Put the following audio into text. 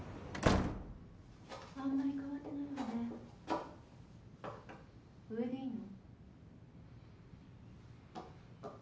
・あんまり変わってないわね・・上でいいの？